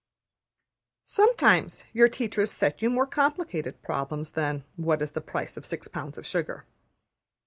Sometimes your teachers set you more complicated problems than: What is the price of six pounds of sugar?